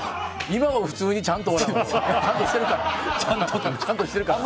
今は普通にちゃんとしてるから。